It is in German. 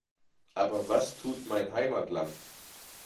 Aber was tut mein Heimatland?